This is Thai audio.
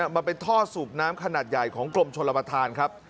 มันเป็นท่อสูบน้ำขนาดใหญ่ของกรมชนประธานครับ